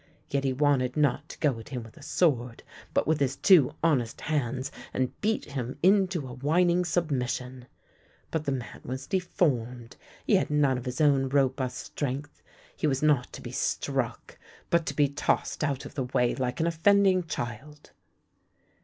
Yet he wanted not to go at him with a sword, but with his two honest hands and beat him into a whining submission. But the man was deformed, he had none of his own robust strength — he was not to be struck, but to be tossed out of the way like an offending child.